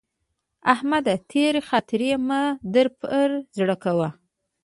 احمده! تېرې خاطرې مه در پر زړه کوه.